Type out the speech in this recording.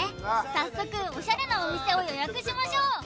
「早速オシャレなお店を予約しましょう」